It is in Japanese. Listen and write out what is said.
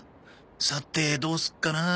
さてどうすっかな。